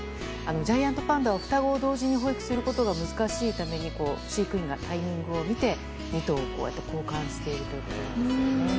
ジャイアントパンダは双子を同時に保育することが難しいために飼育員がタイミングを見て２頭を交換しているそうです。